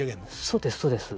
そうですそうです。